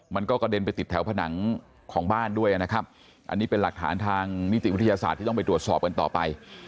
มันก็กระเด็นไปติดแถวผนังของบ้านด้วยนะครับอันนี้เป็นหลักฐานทางนิติวิทยาศาสตร์ที่ต้องไปตรวจสอบกันต่อไป